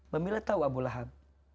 bambila tahu abu lahab